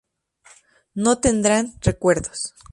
No tendrán recuerdos.